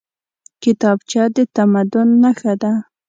کتابچه د تمدن نښه ده